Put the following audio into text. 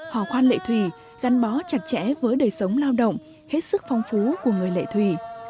hò khoan lệ thủy gắn bó chặt chẽ với đời sống lao động hết sức phong phú của người lệ thủy